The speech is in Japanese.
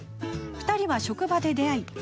２人は職場で出会い